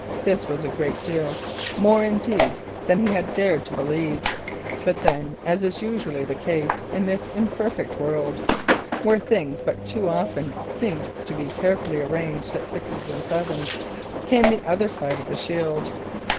This was a great deal, more indeed than he had dared to believe, but then, as is usually the case in this imperfect world, where things but too often seem to be carefully arranged at sixes and sevens, came the other side of the shield.